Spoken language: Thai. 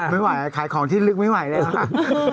ไม่ไหวขายของที่ลึกไม่ไหวเลยค่ะ